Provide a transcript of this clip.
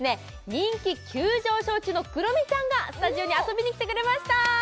人気急上昇中のクロミちゃんがスタジオに遊びに来てくれました